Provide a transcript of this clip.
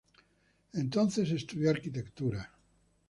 Entonces, estudió arquitectura.